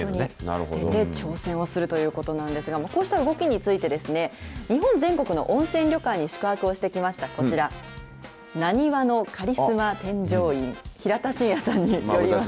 捨てて挑戦をするということなんですが、こうした動きについてですね、日本全国の温泉旅館に宿泊をしてきました、こちら、ナニワのカリスマ添乗員、平田進也さんに。